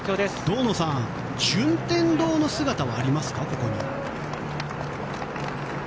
堂野さん、順天堂の姿はありますか、ここに。